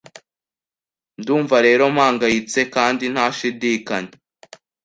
Ndumva rero mpangayitse kandi ntashidikanya